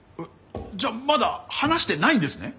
じゃあまだ話してないんですね？